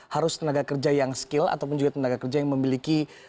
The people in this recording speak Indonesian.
harus tenaga kerja yang skill ataupun juga tenaga kerja yang memiliki